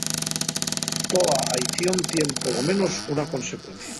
Toa aición tien polo menos una consecuencia.